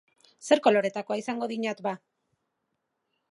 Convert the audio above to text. Zer koloretakoa izango dinat, ba?